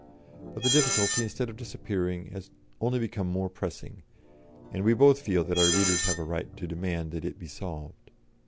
But the difficulty, instead of disappearing, has only become more pressing; and we both feel that our readers have a right to demand that it be solved.